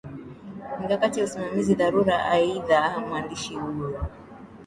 mikakati ya usimamizi dharura Aidha mwandishi huyo